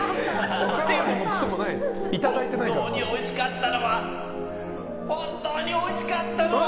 でも、本当においしかったのは本当においしかったのは。